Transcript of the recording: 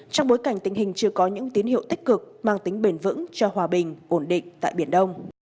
trong bối cảnh tình hình chưa có những tín hiệu tích cực mang tính bền vững cho hòa bình ổn định tại biển đông